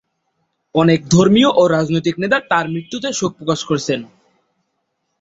অনেক ধর্মীয় ও রাজনৈতিক নেতা তার মৃত্যুতে শোক প্রকাশ করেছেন।